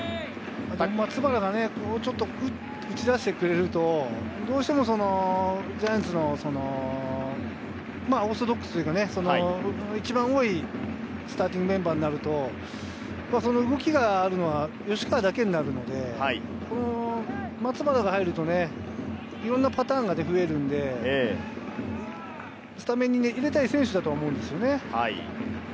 松原がもうちょっと打ち出してくれると、どうしてもジャイアンツのオーソドックスというか、一番多いスターティングメンバーになると、その動きがあるのは吉川だけになるので、松原が入るといろんなパターンが増えるので、スタメンに入れたい選手だと思うんですよね。